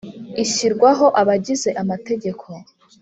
Ishyirwaho abayigize amategeko